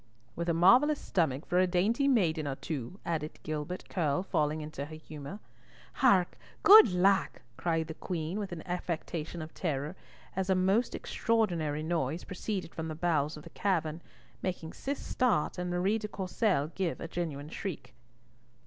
"With a marvellous stomach for a dainty maiden or two," added Gilbert Curll, falling into her humour. "Hark! Good lack!" cried the Queen, with an affectation of terror, as a most extraordinary noise proceeded from the bowels of the cavern, making Cis start and Marie de Courcelles give a genuine shriek.